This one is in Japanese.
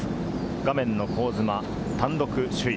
画面の香妻、単独首位。